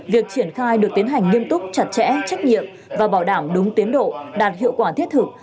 việc triển khai được tiến hành nghiêm túc chặt chẽ trách nhiệm và bảo đảm đúng tiến độ đạt hiệu quả thiết thực